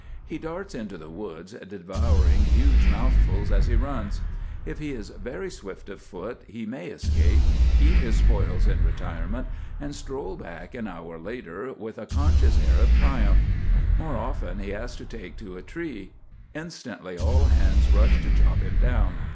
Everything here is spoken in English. He darts into the woods, devouring huge mouthfuls as he runs. If he is very swift of foot he may escape, eat his spoils in retirement, and stroll back, an hour later, with a conscious air of triumph. More often he has to take to a tree. Instantly all hands rush to chop him down.